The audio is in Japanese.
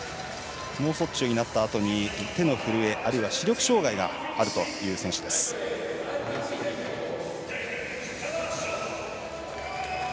脳卒中になったあとに手の震えやあるいは視力障がいがあるという選手です。